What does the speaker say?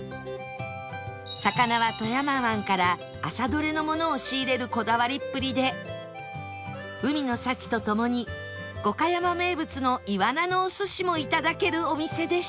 魚は富山湾から朝どれのものを仕入れるこだわりっぷりで海の幸と共に五箇山名物のイワナのお寿司も頂けるお店でした